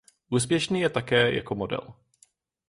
Úspěšný je také jako model.